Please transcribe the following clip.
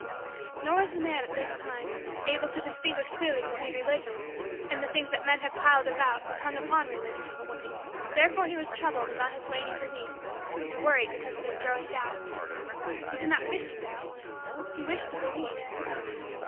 Nor was the man, at this time, able to distinguish clearly between Religion and the things that men have piled about and hung upon Religion. Therefore was he troubled about his waning belief and worried because of his growing doubt. He did not wish to doubt; he wished to believe.